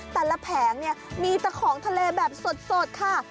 แผงเนี่ยมีแต่ของทะเลแบบสดค่ะ